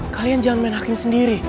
kalian jangan main hakim sendiri